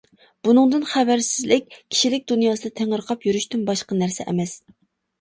بۇنىڭدىن خەۋەرسىزلىك كىشىلىك دۇنياسىدا تېڭىرقاپ يۈرۈشتىن باشقا نەرسە ئەمەس.